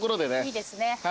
いいですね。